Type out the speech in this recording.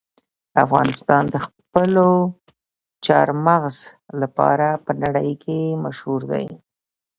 افغانستان د خپلو چار مغز لپاره په نړۍ کې مشهور دی.